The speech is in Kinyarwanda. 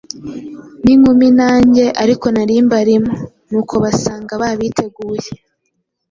n’inkumi nange ariko nari mbarimo. Nuko basanga babiteguye,